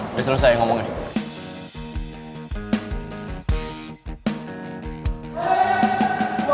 udah selesai ngomongnya